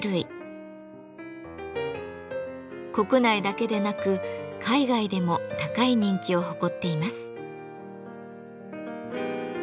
国内だけでなく海外でも高い人気を誇っています。